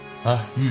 うん。